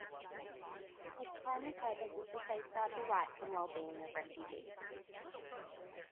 Its primary purpose is to safeguard the rights and well-being of refugees.